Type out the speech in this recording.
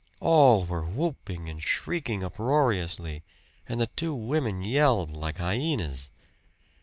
All were whooping and shrieking uproariously, and the two women yelled like hyenas.